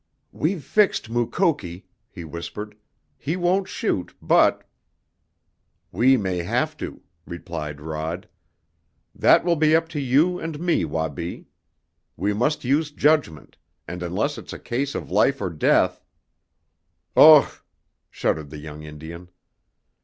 "We've fixed Mukoki," he whispered. "He won't shoot. But " "We may have to," replied Rod. "That will be up to you and me, Wabi. We must use judgment, and unless it's a case of life or death " "Ugh!" shuddered the young Indian.